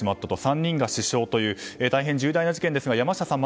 ３人が死傷という大変重大な事件ですが山下さん